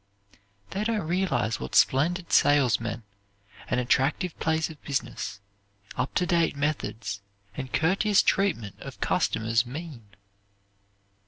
They don't realize what splendid salesmen, an attractive place of business, up to date methods, and courteous treatment of customers mean.